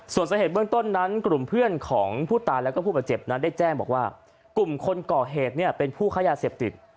ส่วนสาเหตุเบื้องต้นนั้นกลุ่มเพื่อนของผู้ตายแล้วก็ผู้ประเจ็บนั้นได้แจ้งบอกว่ากลุ่มคนก่อเหตุเนี่ยเป็นผู้ค้ายาเสพติด